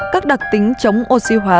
các đặc tính chống oxy hóa